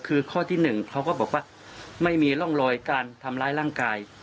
คือข้อที่หนึ่งเขาก็บอกว่าไม่มีร่องรอยการทำร้ายร่างกาย